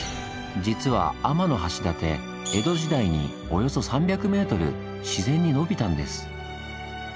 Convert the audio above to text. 実は天橋立江戸時代におよそ３００ｍ自然に伸びたんです。